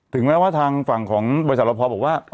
ถึงแม้ว่าทางฝั่งของบริษัทราวภอร์บอกว่า